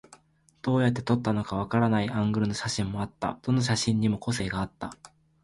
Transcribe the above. どうやって撮ったのかわからないアングルの写真もあった。どの写真にも個性があった。